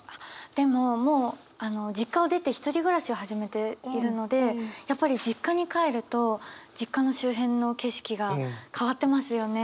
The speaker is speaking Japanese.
でももう実家を出て１人暮らしを始めているのでやっぱり実家に帰ると実家の周辺の景色が変わってますよね。